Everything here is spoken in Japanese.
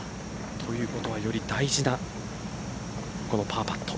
ということは、より大事なこのパーパット。